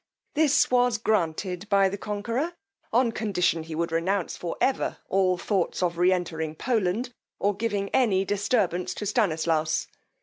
This was granted by the conqueror, on condition he would renounce, for ever, all thoughts of re entering Poland, or giving any disturbance to Stanislaus.